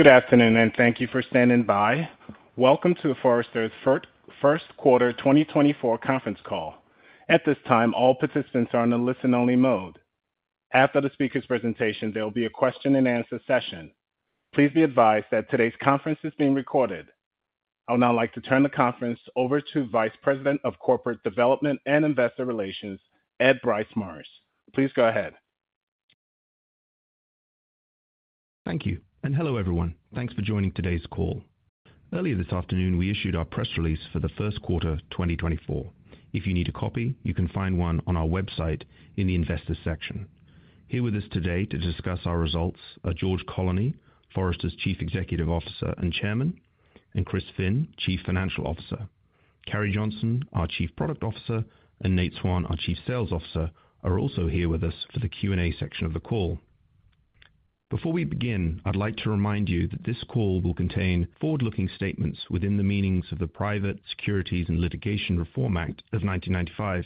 Good afternoon and thank you for standing by. Welcome to the Forrester's First Quarter 2024 conference call. At this time, all participants are in a listen-only mode. After the speaker's presentation, there will be a question-and-answer session. Please be advised that today's conference is being recorded. I would now like to turn the conference over to Vice President of Corporate Development and Investor Relations, Ed Bryce Morris. Please go ahead. Thank you, and hello everyone. Thanks for joining today's call. Earlier this afternoon we issued our press release for the first quarter 2024. If you need a copy, you can find one on our website in the Investors section. Here with us today to discuss our results are George Colony, Forrester's Chief Executive Officer and Chairman, and Chris Finn, Chief Financial Officer. Carrie Johnson, our Chief Product Officer, and Nate Swan, our Chief Sales Officer, are also here with us for the Q&A section of the call. Before we begin, I'd like to remind you that this call will contain forward-looking statements within the meanings of the Private Securities and Litigation Reform Act of 1995.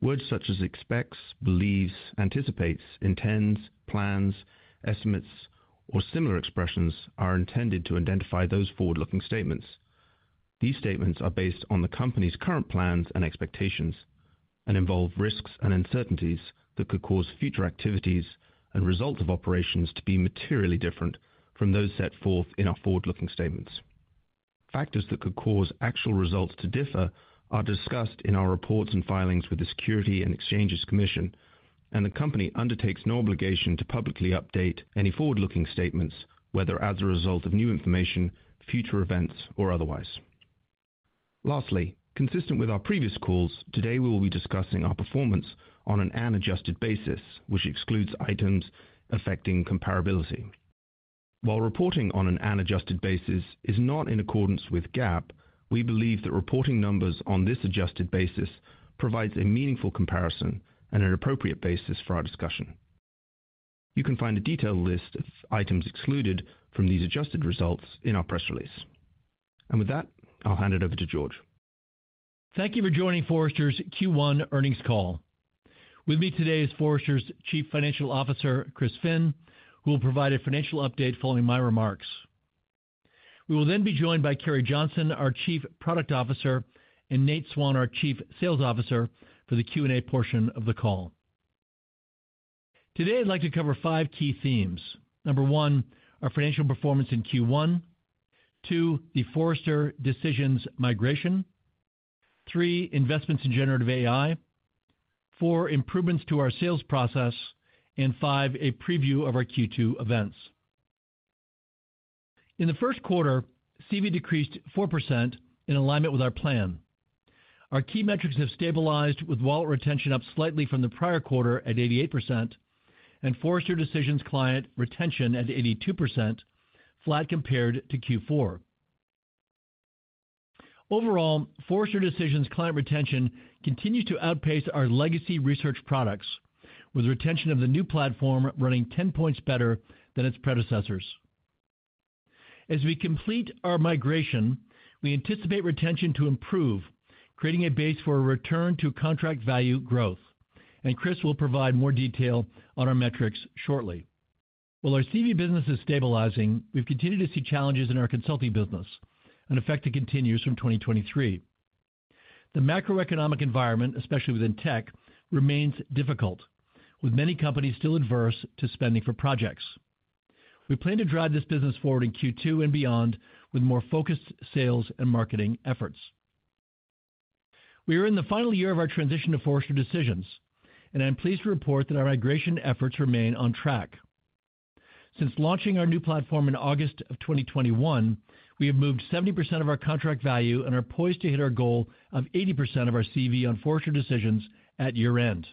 Words such as expects, believes, anticipates, intends, plans, estimates, or similar expressions are intended to identify those forward-looking statements. These statements are based on the company's current plans and expectations, and involve risks and uncertainties that could cause future activities and results of operations to be materially different from those set forth in our forward-looking statements. Factors that could cause actual results to differ are discussed in our reports and filings with the Securities and Exchange Commission, and the company undertakes no obligation to publicly update any forward-looking statements, whether as a result of new information, future events, or otherwise. Lastly, consistent with our previous calls, today we will be discussing our performance on an unadjusted basis, which excludes items affecting comparability. While reporting on an unadjusted basis is not in accordance with GAAP, we believe that reporting numbers on this adjusted basis provides a meaningful comparison and an appropriate basis for our discussion. You can find a detailed list of items excluded from these adjusted results in our press release. With that, I'll hand it over to George. Thank you for joining Forrester's Q1 earnings call. With me today is Forrester's Chief Financial Officer, Chris Finn, who will provide a financial update following my remarks. We will then be joined by Carrie Johnson, our Chief Product Officer, and Nate Swan, our Chief Sales Officer, for the Q&A portion of the call. Today I'd like to cover five key themes. Number one, our financial performance in Q1. Two, the Forrester Decisions migration. Three, investments in generative AI. Four, improvements to our sales process. And five, a preview of our Q2 events. In the first quarter, CV decreased 4% in alignment with our plan. Our key metrics have stabilized with wallet retention up slightly from the prior quarter at 88% and Forrester Decisions client retention at 82%, flat compared to Q4. Overall, Forrester Decisions client retention continues to outpace our legacy research products, with retention of the new platform running 10 points better than its predecessors. As we complete our migration, we anticipate retention to improve, creating a base for return-to-contract value growth, and Chris will provide more detail on our metrics shortly. While our CV business is stabilizing, we've continued to see challenges in our consulting business, an effect that continues from 2023. The macroeconomic environment, especially within tech, remains difficult, with many companies still adverse to spending for projects. We plan to drive this business forward in Q2 and beyond with more focused sales and marketing efforts. We are in the final year of our transition to Forrester Decisions, and I'm pleased to report that our migration efforts remain on track. Since launching our new platform in August of 2021, we have moved 70% of our contract value and are poised to hit our goal of 80% of our CV on Forrester Decisions at year-end.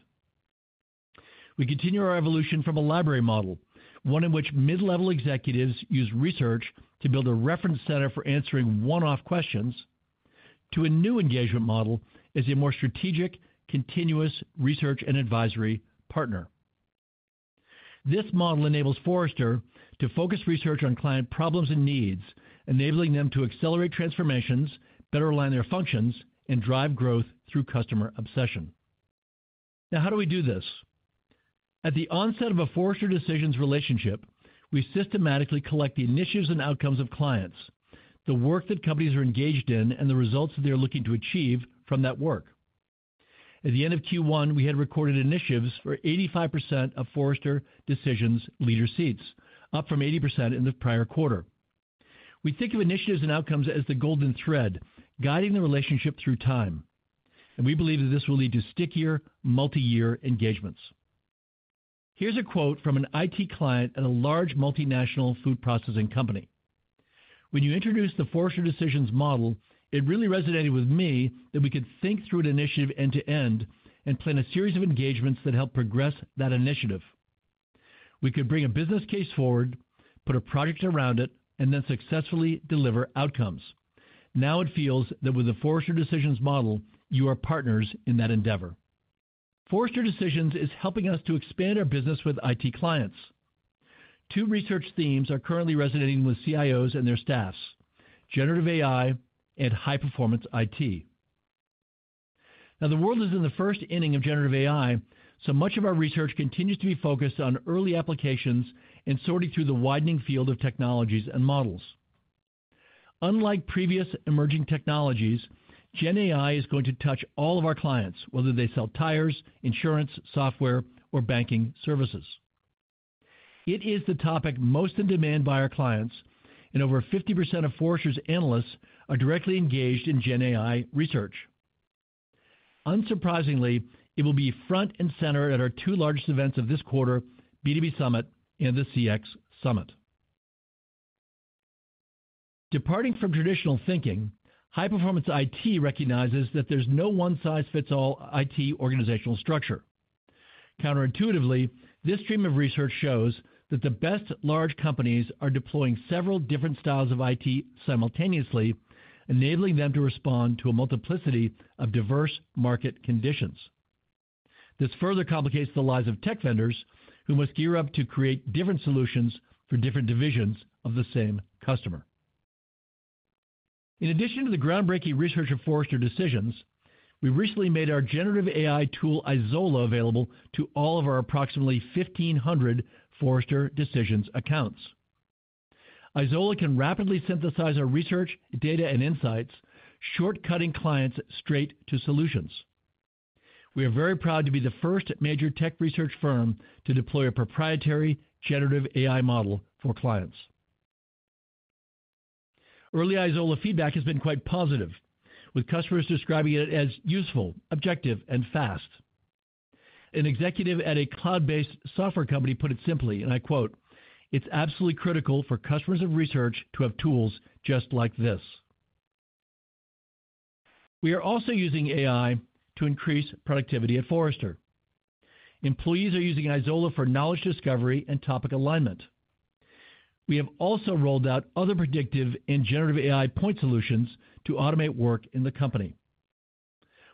We continue our evolution from a library model, one in which mid-level executives use research to build a reference center for answering one-off questions, to a new engagement model as a more strategic, continuous research and advisory partner. This model enables Forrester to focus research on client problems and needs, enabling them to accelerate transformations, better align their functions, and drive growth through customer obsession. Now, how do we do this? At the onset of a Forrester Decisions relationship, we systematically collect the initiatives and outcomes of clients, the work that companies are engaged in, and the results that they are looking to achieve from that work. At the end of Q1, we had recorded initiatives for 85% of Forrester Decisions leader seats, up from 80% in the prior quarter. We think of initiatives and outcomes as the golden thread guiding the relationship through time, and we believe that this will lead to stickier, multi-year engagements. Here's a quote from an IT client at a large multinational food processing company: "When you introduced the Forrester Decisions model, it really resonated with me that we could think through an initiative end-to-end and plan a series of engagements that help progress that initiative. We could bring a business case forward, put a project around it, and then successfully deliver outcomes. Now it feels that with the Forrester Decisions model, you are partners in that endeavor." Forrester Decisions is helping us to expand our business with IT clients. Two research themes are currently resonating with CIOs and their staffs: generative AI and High-Performance IT. Now, the world is in the first inning of generative AI, so much of our research continues to be focused on early applications and sorting through the widening field of technologies and models. Unlike previous emerging technologies, Gen AI is going to touch all of our clients, whether they sell tires, insurance, software, or banking services. It is the topic most in demand by our clients, and over 50% of Forrester's analysts are directly engaged in Gen AI research. Unsurprisingly, it will be front and center at our two largest events of this quarter, B2B Summit and the CX Summit. Departing from traditional thinking, High-Performance IT recognizes that there's no one-size-fits-all IT organizational structure. Counterintuitively, this stream of research shows that the best large companies are deploying several different styles of IT simultaneously, enabling them to respond to a multiplicity of diverse market conditions. This further complicates the lives of tech vendors, who must gear up to create different solutions for different divisions of the same customer. In addition to the groundbreaking research of Forrester Decisions, we recently made our generative AI tool Izola available to all of our approximately 1,500 Forrester Decisions accounts. Izola can rapidly synthesize our research, data, and insights, shortcutting clients straight to solutions. We are very proud to be the first major tech research firm to deploy a proprietary generative AI model for clients. Early Izola feedback has been quite positive, with customers describing it as useful, objective, and fast. An executive at a cloud-based software company put it simply, and I quote, "It's absolutely critical for customers of research to have tools just like this." We are also using AI to increase productivity at Forrester. Employees are using Izola for knowledge discovery and topic alignment. We have also rolled out other predictive and generative AI point solutions to automate work in the company.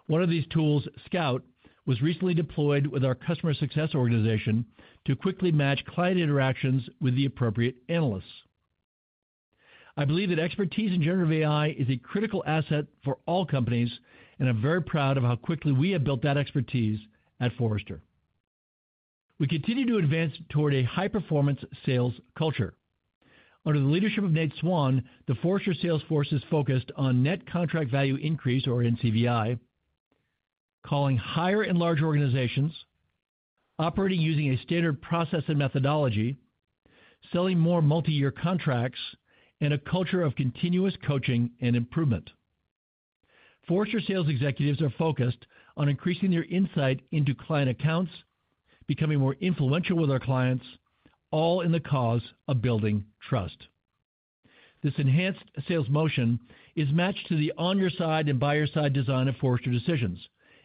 One of these tools, Scout, was recently deployed with our customer success organization to quickly match client interactions with the appropriate analysts. I believe that expertise in generative AI is a critical asset for all companies, and I'm very proud of how quickly we have built that expertise at Forrester. We continue to advance toward a high-performance sales culture. Under the leadership of Nate Swan, the Forrester sales force is focused on net contract value increase, or NCVI, calling higher and larger organizations, operating using a standard process and methodology, selling more multi-year contracts, and a culture of continuous coaching and improvement. Forrester sales executives are focused on increasing their insight into client accounts, becoming more influential with our clients, all in the cause of building trust. This enhanced sales motion is matched to the on-your-side and by-your-side design of Forrester Decisions,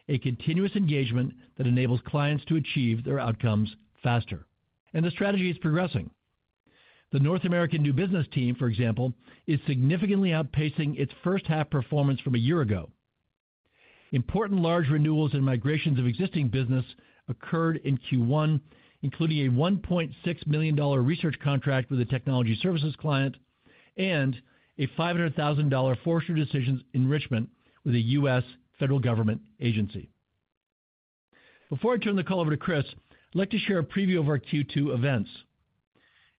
a continuous engagement that enables clients to achieve their outcomes faster. The strategy is progressing. The North American New Business team, for example, is significantly outpacing its first-half performance from a year ago. Important large renewals and migrations of existing business occurred in Q1, including a $1.6 million research contract with a technology services client and a $500,000 Forrester Decisions enrichment with a U.S. federal government agency. Before I turn the call over to Chris, I'd like to share a preview of our Q2 events.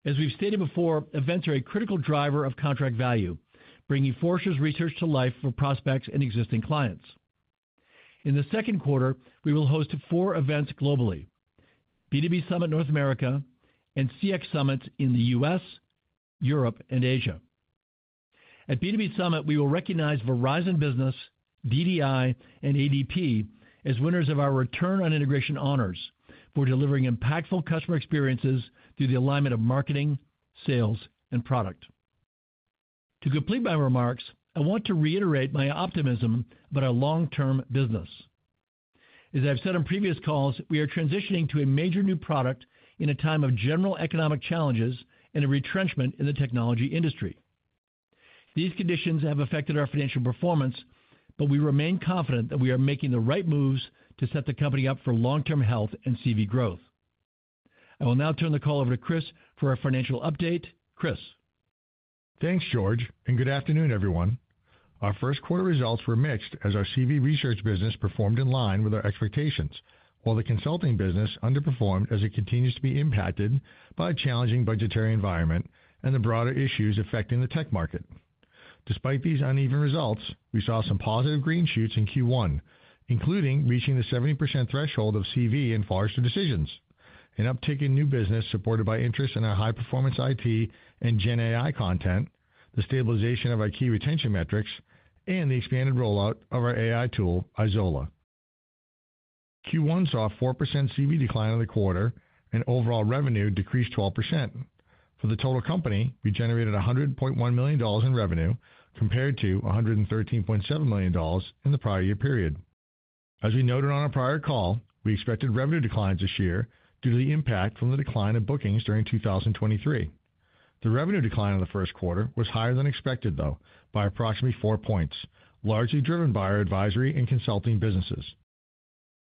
As we've stated before, events are a critical driver of contract value, bringing Forrester's research to life for prospects and existing clients. In the second quarter, we will host four events globally: B2B Summit North America and CX Summits in the U.S., Europe, and Asia. At B2B Summit, we will recognize Verizon Business, DDI, and ADP as winners of our Return on Integration Honors for delivering impactful customer experiences through the alignment of marketing, sales, and product. To complete my remarks, I want to reiterate my optimism about our long-term business. As I've said on previous calls, we are transitioning to a major new product in a time of general economic challenges and a retrenchment in the technology industry. These conditions have affected our financial performance, but we remain confident that we are making the right moves to set the company up for long-term health and CV growth. I will now turn the call over to Chris for a financial update. Chris. Thanks, George, and good afternoon, everyone. Our first-quarter results were mixed as our CV research business performed in line with our expectations, while the consulting business underperformed as it continues to be impacted by a challenging budgetary environment and the broader issues affecting the tech market. Despite these uneven results, we saw some positive green shoots in Q1, including reaching the 70% threshold of CV in Forrester Decisions, an uptick in new business supported by interest in our high-performance IT and Gen AI content, the stabilization of our key retention metrics, and the expanded rollout of our AI tool, Izola. Q1 saw a 4% CV decline in the quarter, and overall revenue decreased 12%. For the total company, we generated $100.1 million in revenue compared to $113.7 million in the prior year period. As we noted on a prior call, we expected revenue declines this year due to the impact from the decline in bookings during 2023. The revenue decline in the first quarter was higher than expected, though, by approximately 4 points, largely driven by our advisory and consulting businesses.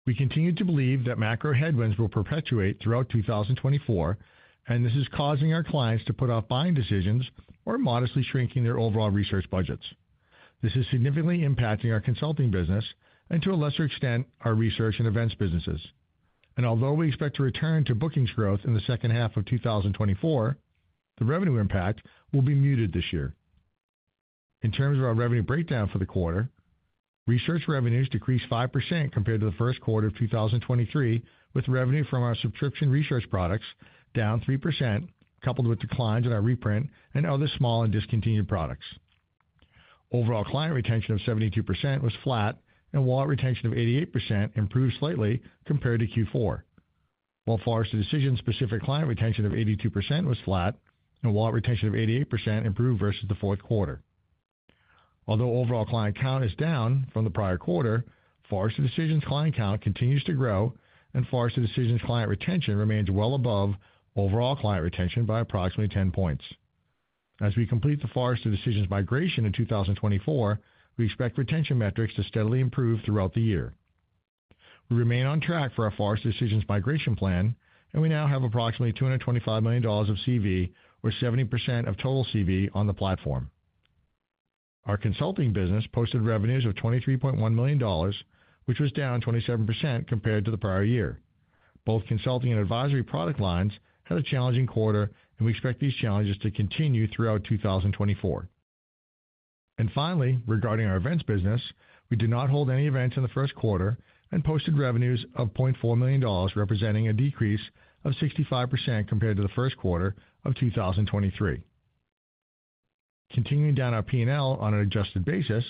We continue to believe that macro headwinds will perpetuate throughout 2024, and this is causing our clients to put off buying decisions or modestly shrinking their overall research budgets. This is significantly impacting our consulting business and, to a lesser extent, our research and events businesses. Although we expect to return to bookings growth in the second half of 2024, the revenue impact will be muted this year. In terms of our revenue breakdown for the quarter, research revenues decreased 5% compared to the first quarter of 2023, with revenue from our subscription research products down 3%, coupled with declines in our reprint and other small and discontinued products. Overall client retention of 72% was flat, and wallet retention of 88% improved slightly compared to Q4, while Forrester Decisions-specific client retention of 82% was flat, and wallet retention of 88% improved versus the fourth quarter. Although overall client count is down from the prior quarter, Forrester Decisions client count continues to grow, and Forrester Decisions client retention remains well above overall client retention by approximately 10 points. As we complete the Forrester Decisions migration in 2024, we expect retention metrics to steadily improve throughout the year. We remain on track for our Forrester Decisions migration plan, and we now have approximately $225 million of CV, or 70% of total CV, on the platform. Our consulting business posted revenues of $23.1 million, which was down 27% compared to the prior year. Both consulting and advisory product lines had a challenging quarter, and we expect these challenges to continue throughout 2024. And finally, regarding our events business, we did not hold any events in the first quarter and posted revenues of $0.4 million, representing a decrease of 65% compared to the first quarter of 2023. Continuing down our P&L on an adjusted basis,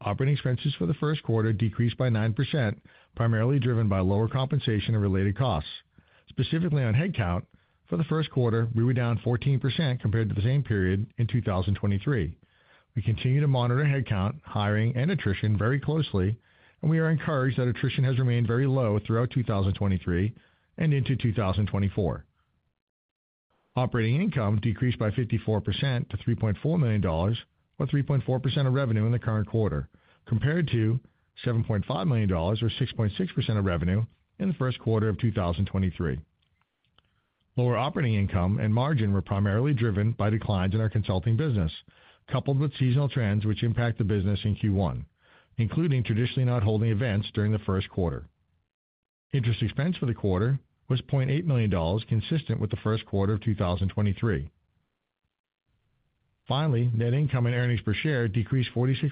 operating expenses for the first quarter decreased by 9%, primarily driven by lower compensation and related costs. Specifically on headcount, for the first quarter, we were down 14% compared to the same period in 2023. We continue to monitor headcount, hiring, and attrition very closely, and we are encouraged that attrition has remained very low throughout 2023 and into 2024. Operating income decreased by 54% to $3.4 million, or 3.4% of revenue in the current quarter, compared to $7.5 million, or 6.6% of revenue in the first quarter of 2023. Lower operating income and margin were primarily driven by declines in our consulting business, coupled with seasonal trends which impact the business in Q1, including traditionally not holding events during the first quarter. Interest expense for the quarter was $0.8 million, consistent with the first quarter of 2023. Finally, net income and earnings per share decreased 46%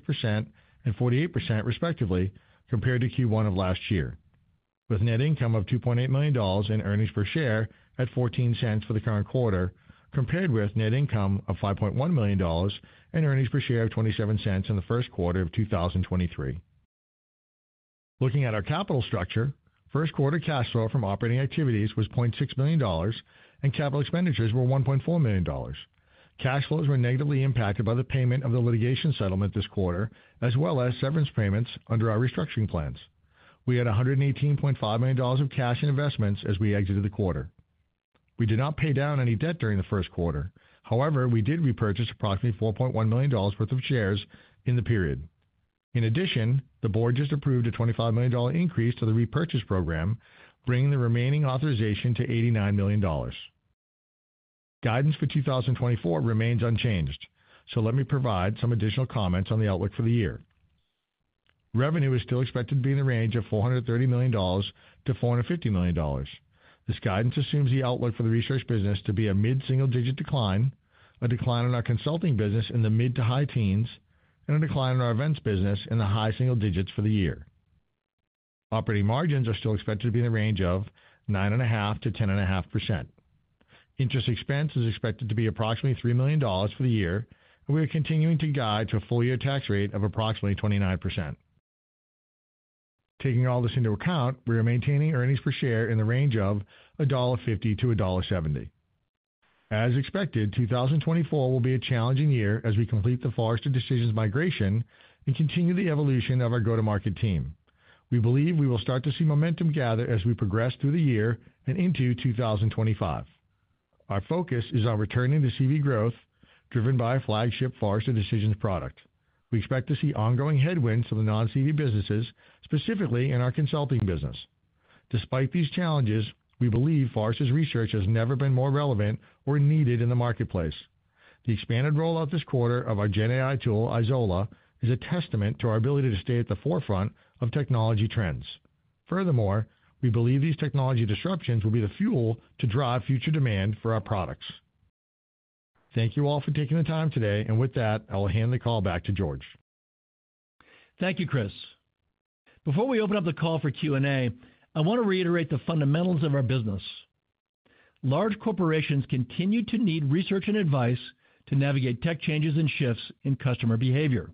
and 48%, respectively, compared to Q1 of last year, with net income of $2.8 million and earnings per share at $0.14 for the current quarter, compared with net income of $5.1 million and earnings per share of $0.27 in the first quarter of 2023. Looking at our capital structure, first-quarter cash flow from operating activities was $0.6 million, and capital expenditures were $1.4 million. Cash flows were negatively impacted by the payment of the litigation settlement this quarter, as well as severance payments under our restructuring plans. We had $118.5 million of cash in investments as we exited the quarter. We did not pay down any debt during the first quarter. However, we did repurchase approximately $4.1 million worth of shares in the period. In addition, the board just approved a $25 million increase to the repurchase program, bringing the remaining authorization to $89 million. Guidance for 2024 remains unchanged, so let me provide some additional comments on the outlook for the year. Revenue is still expected to be in the range of $430 million-$450 million. This guidance assumes the outlook for the research business to be a mid-single-digit decline, a decline in our consulting business in the mid to high teens, and a decline in our events business in the high single digits for the year. Operating margins are still expected to be in the range of 9.5%-10.5%. Interest expense is expected to be approximately $3 million for the year, and we are continuing to guide to a full-year tax rate of approximately 29%. Taking all this into account, we are maintaining earnings per share in the range of $1.50-$1.70. As expected, 2024 will be a challenging year as we complete the Forrester Decisions migration and continue the evolution of our go-to-market team. We believe we will start to see momentum gather as we progress through the year and into 2025. Our focus is on returning to CV growth driven by our flagship Forrester Decisions product. We expect to see ongoing headwinds from the non-CV businesses, specifically in our consulting business. Despite these challenges, we believe Forrester's research has never been more relevant or needed in the marketplace. The expanded rollout this quarter of our Gen AI tool, Izola, is a testament to our ability to stay at the forefront of technology trends. Furthermore, we believe these technology disruptions will be the fuel to drive future demand for our products. Thank you all for taking the time today, and with that, I will hand the call back to George. Thank you, Chris. Before we open up the call for Q&A, I want to reiterate the fundamentals of our business. Large corporations continue to need research and advice to navigate tech changes and shifts in customer behavior.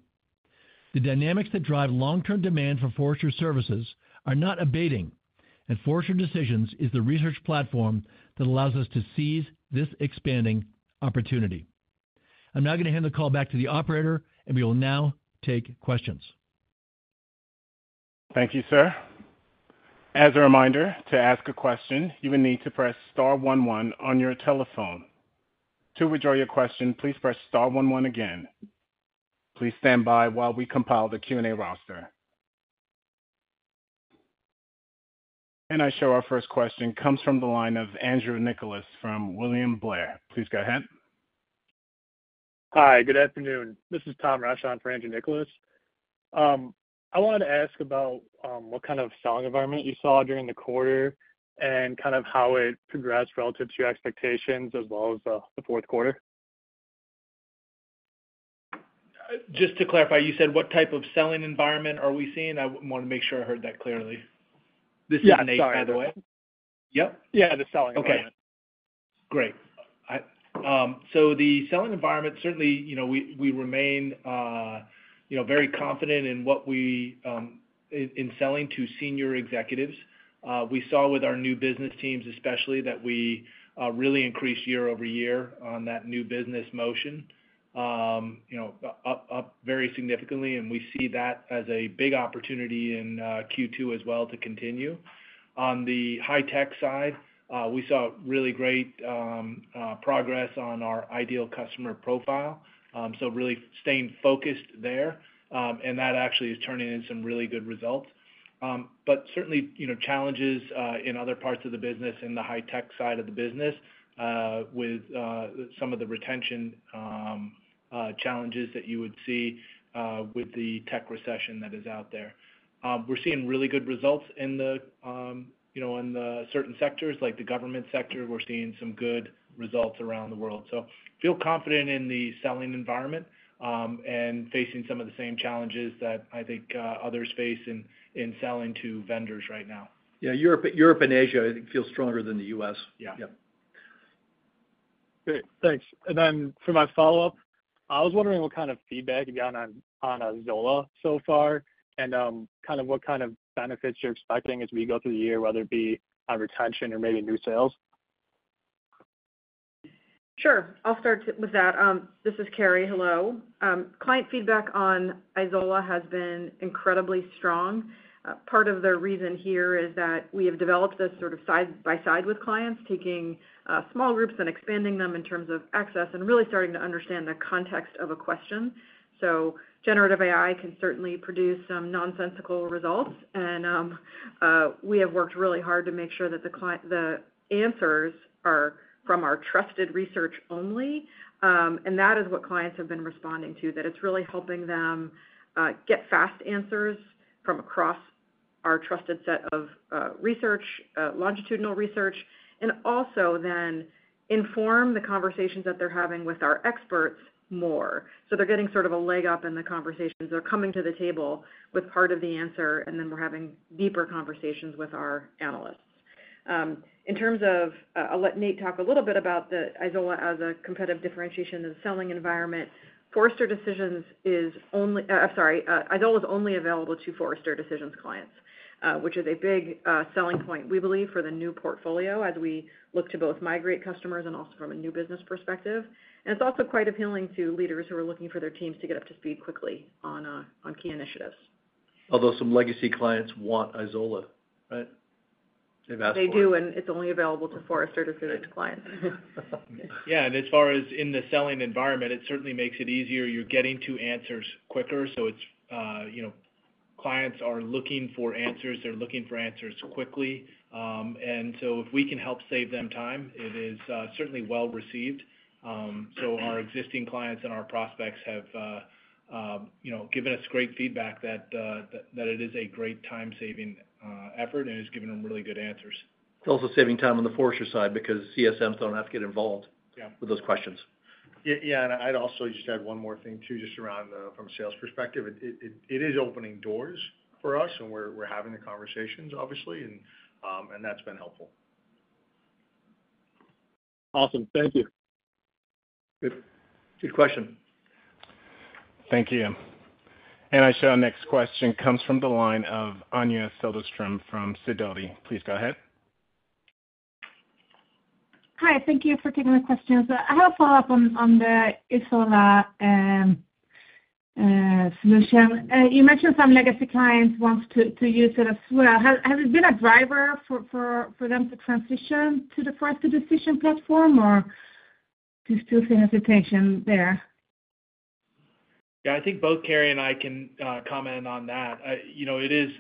The dynamics that drive long-term demand for Forrester services are not abating, and Forrester Decisions is the research platform that allows us to seize this expanding opportunity. I'm now going to hand the call back to the operator, and we will now take questions. Thank you, sir. As a reminder, to ask a question, you will need to press star one one on your telephone. To withdraw your question, please press star one one again. Please stand by while we compile the Q&A roster. I see our first question comes from the line of Andrew Nicholas from William Blair. Please go ahead. Hi, good afternoon. This is Tom Ross for Andrew Nicholas. I wanted to ask about what kind of selling environment you saw during the quarter and kind of how it progressed relative to your expectations as well as the fourth quarter. Just to clarify, you said what type of selling environment are we seeing? I want to make sure I heard that clearly. This is Nate. Sorry. By the way. Yep. Yeah, the selling environment. Okay. Great. So the selling environment, certainly, you know, we remain, you know, very confident in what we're selling to senior executives. We saw with our new business teams, especially, that we really increased year-over-year on that new business motion, you know, up very significantly. And we see that as a big opportunity in Q2 as well to continue. On the high-tech side, we saw really great progress on our ideal customer profile, so really staying focused there. And that actually is turning in some really good results. But certainly, you know, challenges in other parts of the business, in the high-tech side of the business, with some of the retention challenges that you would see with the tech recession that is out there. We're seeing really good results in the, you know, in certain sectors, like the government sector. We're seeing some good results around the world. So feel confident in the selling environment, and facing some of the same challenges that I think others face in selling to vendors right now. Yeah, Europe and Asia, I think, feel stronger than the U.S. Great. Thanks. And then for my follow-up, I was wondering what kind of feedback you've gotten on, on Izola so far and, kind of what kind of benefits you're expecting as we go through the year, whether it be on retention or maybe new sales. Sure. I'll start with that. This is Carrie. Hello. Client feedback on Izola has been incredibly strong. Part of the reason here is that we have developed this sort of side by side with clients, taking small groups and expanding them in terms of access and really starting to understand the context of a question. So Generative AI can certainly produce some nonsensical results. And we have worked really hard to make sure that the client the answers are from our trusted research only. And that is what clients have been responding to, that it's really helping them get fast answers from across our trusted set of research, longitudinal research, and also then inform the conversations that they're having with our experts more. So they're getting sort of a leg up in the conversations. They're coming to the table with part of the answer, and then we're having deeper conversations with our analysts. In terms of, I'll let Nate talk a little bit about the Izola as a competitive differentiation in the selling environment. Forrester Decisions is only. I'm sorry. Izola is only available to Forrester Decisions clients, which is a big selling point, we believe, for the new portfolio as we look to both migrate customers and also from a new business perspective. And it's also quite appealing to leaders who are looking for their teams to get up to speed quickly on key initiatives. Although some legacy clients want Izola, right? They've asked for it. They do, and it's only available to Forrester Decisions clients. Yeah. And as far as in the selling environment, it certainly makes it easier. You're getting to answers quicker. So it's, you know, clients are looking for answers. They're looking for answers quickly. And so if we can help save them time, it is certainly well received. So our existing clients and our prospects have, you know, given us great feedback that it is a great time-saving effort and is giving them really good answers. It's also saving time on the Forrester side because CSMs don't have to get involved with those questions. Yeah. Yeah. And I'd also just add one more thing too, just around the from a sales perspective. It is opening doors for us, and we're having the conversations, obviously, and that's been helpful. Awesome. Thank you. Good question. Thank you. And I show our next question comes from the line of Anja Soderstrom from Sidoti & Company. Please go ahead. Hi. Thank you for taking the questions. I have a follow-up on the Izola solution. You mentioned some legacy clients want to use it as well. Has it been a driver for them to transition to the Forrester Decisions platform, or do you still see hesitation there? Yeah. I think both Carrie and I can comment on that. You know, it is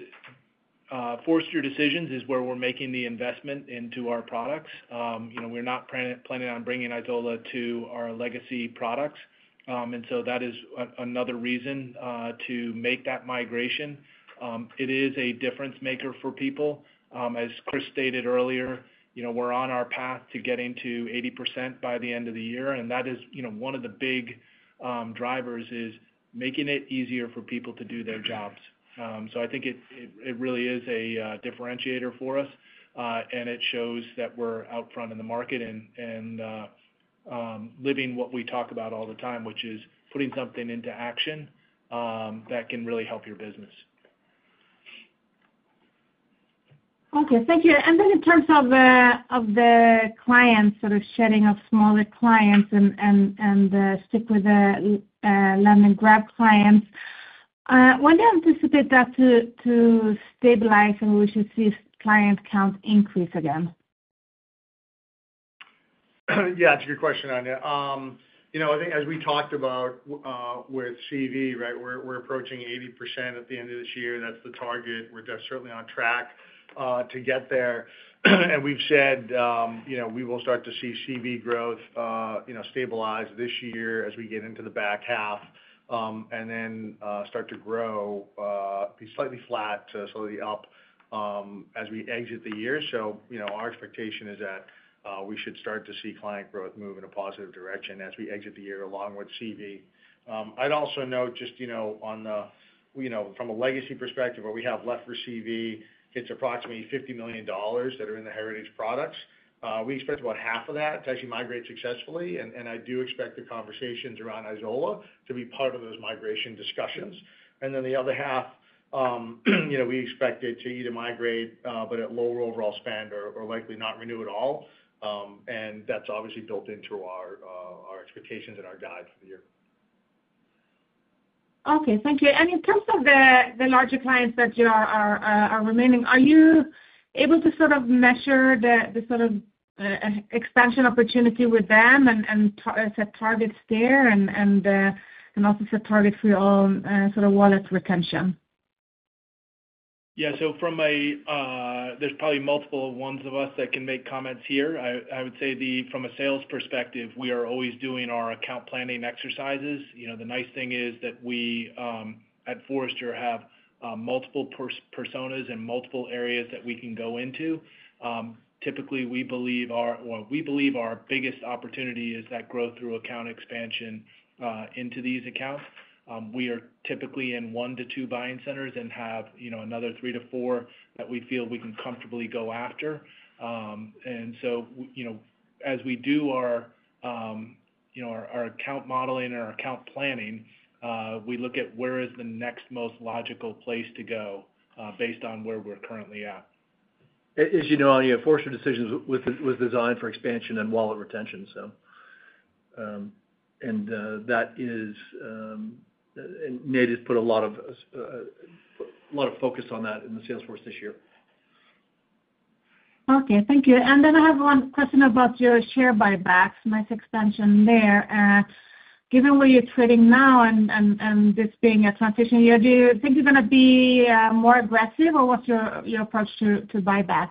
Forrester Decisions is where we're making the investment into our products. You know, we're not planning on bringing Izola to our legacy products. And so that is another reason to make that migration. It is a difference maker for people. As Chris stated earlier, you know, we're on our path to getting to 80% by the end of the year. And that is, you know, one of the big drivers is making it easier for people to do their jobs. So I think it really is a differentiator for us. And it shows that we're out front in the market and living what we talk about all the time, which is putting something into action that can really help your business. Okay. Thank you. And then in terms of the clients, sort of shedding of smaller clients and stick with the land-and-grab clients, when do you anticipate that to stabilize, and we should see client count increase again? Yeah. That's a good question, Anja. You know, I think as we talked about, with CV, right, we're, we're approaching 80% at the end of this year. That's the target. We're certainly on track to get there. And we've said, you know, we will start to see CV growth, you know, stabilize this year as we get into the back half, and then start to grow, be slightly flat to slightly up, as we exit the year. So, you know, our expectation is that we should start to see client growth move in a positive direction as we exit the year along with CV. I'd also note just, you know, on the, you know, from a legacy perspective, where we have left for CV, it's approximately $50 million that are in the heritage products. We expect about half of that to actually migrate successfully. I do expect the conversations around Izola to be part of those migration discussions. Then the other half, you know, we expect it to either migrate, but at lower overall spend or likely not renew at all. And that's obviously built into our expectations and our guide for the year. Okay. Thank you. And in terms of the larger clients that you are remaining, are you able to sort of measure the sort of expansion opportunity with them and set targets there and also set targets for your own sort of wallet retention? Yeah. So there's probably multiple ones of us that can make comments here. I would say from a sales perspective, we are always doing our account planning exercises. You know, the nice thing is that we at Forrester have multiple personas and multiple areas that we can go into. Typically, we believe our biggest opportunity is that growth through account expansion into these accounts. We are typically in one to two buying centers and have, you know, another three to four that we feel we can comfortably go after. And so, you know, as we do our, you know, our account modeling or our account planning, we look at where the next most logical place to go is, based on where we're currently at. As you know, Anja, Forrester Decisions was designed for expansion and wallet retention, so. And that is, Nate has put a lot of focus on that in the sales force this year. Okay. Thank you. And then I have one question about your share buybacks, nice expansion there. Given where you're trading now and this being a transition year, do you think you're going to be more aggressive, or what's your approach to buybacks?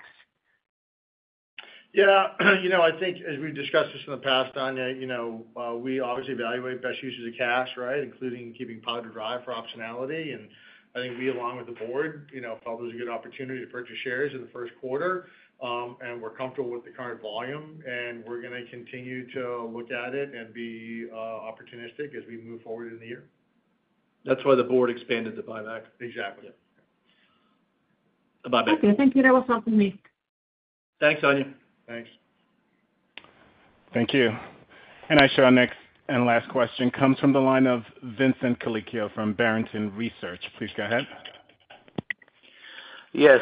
Yeah. You know, I think as we've discussed this in the past, Anja, you know, we obviously evaluate best uses of cash, right, including keeping powder dry for optionality. And I think we, along with the board, you know, felt it was a good opportunity to purchase shares in the first quarter, and we're comfortable with the current volume. And we're going to continue to look at it and be opportunistic as we move forward in the year. That's why the board expanded the buyback. Exactly. A buyback. Okay. Thank you. That was all from me. Thanks, Anja. Thanks. Thank you. I show our next and last question comes from the line of Vincent Colicchio from Barrington Research. Please go ahead. Yes.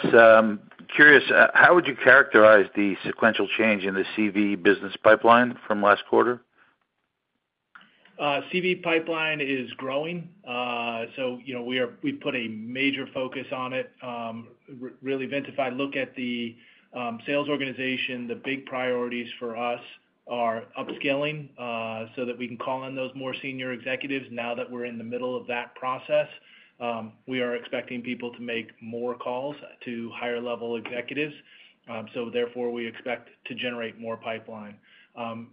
Curious, how would you characterize the sequential change in the CV business pipeline from last quarter? CV pipeline is growing. So, you know, we've put a major focus on it, really intensive look at the sales organization. The big priorities for us are upscaling, so that we can call on those more senior executives now that we're in the middle of that process. We are expecting people to make more calls to higher-level executives. So therefore, we expect to generate more pipeline.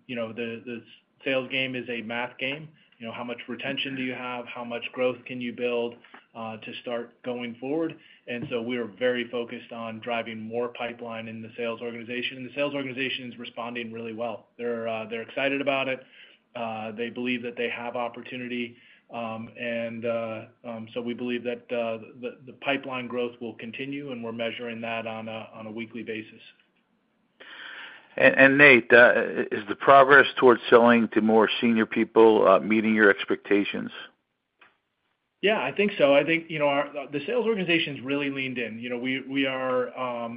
You know, the sales game is a math game. You know, how much retention do you have? How much growth can you build to start going forward? And so we are very focused on driving more pipeline in the sales organization. And the sales organization is responding really well. They're excited about it. They believe that they have opportunity. So we believe that the pipeline growth will continue. And we're measuring that on a weekly basis. And Nate, is the progress towards selling to more senior people, meeting your expectations? Yeah. I think so. I think, you know, our sales organization's really leaned in. You know, we are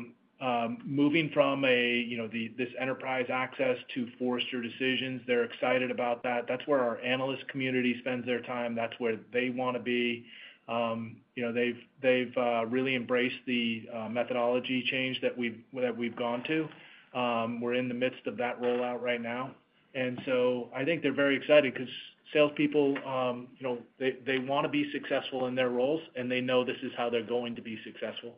moving from a, you know, this enterprise access to Forrester Decisions. They're excited about that. That's where our analyst community spends their time. That's where they want to be. You know, they've really embraced the methodology change that we've gone to. We're in the midst of that rollout right now. And so I think they're very excited because salespeople, you know, they want to be successful in their roles. And they know this is how they're going to be successful.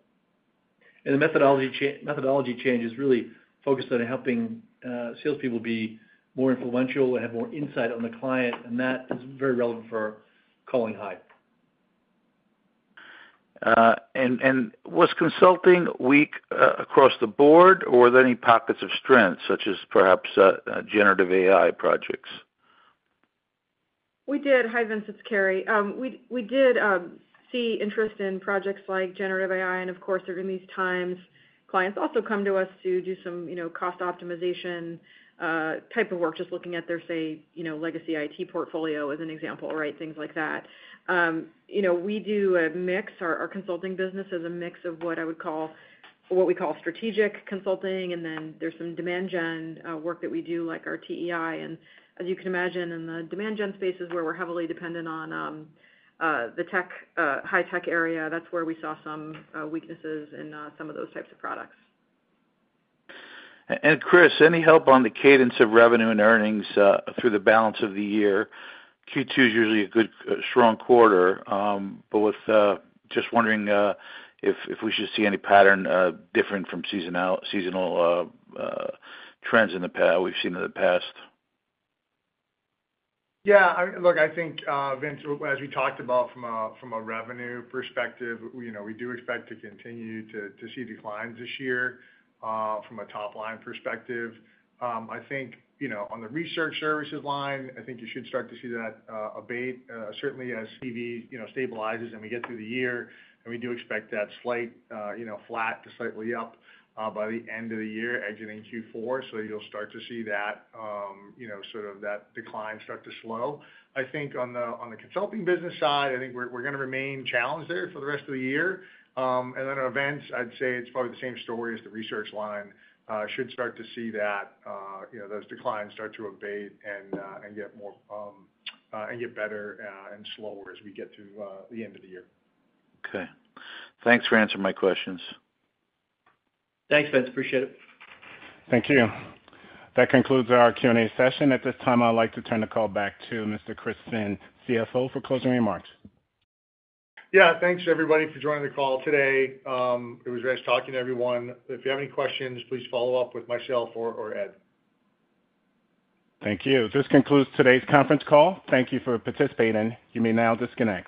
The methodology change is really focused on helping salespeople be more influential and have more insight on the client. That is very relevant for calling high. and was consulting weak across the board, or were there any pockets of strength such as perhaps generative AI projects? We did. Hi, Vince. It's Carrie. We did see interest in projects like generative AI. And of course, during these times, clients also come to us to do some, you know, cost optimization type of work, just looking at their, say, you know, legacy IT portfolio as an example, right, things like that. You know, we do a mix. Our consulting business is a mix of what I would call what we call strategic consulting. And then there's some demand gen work that we do, like our TEI. And as you can imagine, in the demand gen space is where we're heavily dependent on the tech, high-tech area. That's where we saw some weaknesses in some of those types of products. And Chris, any help on the cadence of revenue and earnings through the balance of the year? Q2 is usually a good, strong quarter. But with, just wondering, if we should see any pattern different from seasonal trends in the past we've seen in the past? Yeah. I look, I think, Vince, well, as we talked about from a revenue perspective, you know, we do expect to continue to see declines this year, from a top-line perspective. I think, you know, on the research services line, I think you should start to see that abate, certainly as CV, you know, stabilizes and we get through the year. And we do expect that slight, you know, flat to slightly up, by the end of the year exiting Q4. So you'll start to see that, you know, sort of that decline start to slow. I think on the consulting business side, I think we're going to remain challenged there for the rest of the year. And then on events, I'd say it's probably the same story as the research line. [We] should start to see that, you know, those declines start to abate and get better and slower as we get through the end of the year. Okay. Thanks for answering my questions. Thanks, Vince. Appreciate it. Thank you. That concludes our Q&A session. At this time, I'd like to turn the call back to Mr. Chris Finn, CFO, for closing remarks. Yeah. Thanks, everybody, for joining the call today. It was nice talking to everyone. If you have any questions, please follow up with myself or, or Ed. Thank you. This concludes today's conference call. Thank you for participating. You may now disconnect.